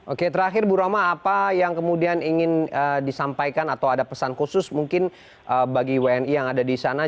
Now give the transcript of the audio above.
oke terakhir bu roma apa yang kemudian ingin disampaikan atau ada pesan khusus mungkin bagi wni yang ada di sana